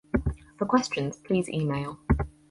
For questions, please email